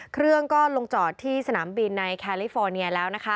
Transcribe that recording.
เครื่องก็ลงจอดที่สนามบินในแคลิฟอร์เนียแล้วนะคะ